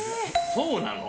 そうなの？